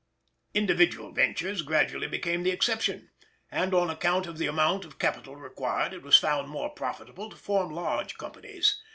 Individual ventures gradually became the exception, and on account of the amount of capital required it was found more profitable to form large companies.